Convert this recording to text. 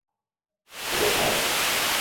Hotep, হায়!